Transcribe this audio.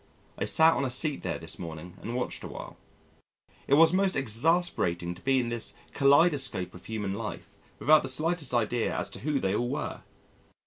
I sat on a seat there this morning and watched awhile. It was most exasperating to be in this kaleidoscope of human life without the slightest idea as to who they all were.